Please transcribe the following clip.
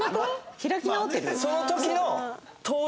開き直ってる？